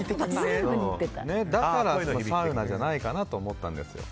だからサウナじゃないかなと思ったんですよ。